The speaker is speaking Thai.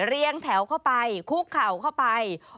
เรียงแถวเข้าไปคุกเข่าเข้าไป